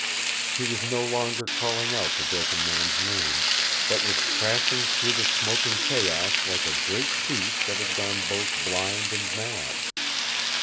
He was no longer calling out the Broken Man's name, but was crashing through the smoking chaos like a great beast that had gone both blind and mad.